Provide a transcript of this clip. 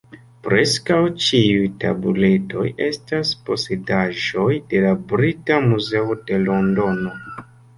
Preskaŭ ĉiuj tabuletoj estas posedaĵoj de la Brita Muzeo de Londono.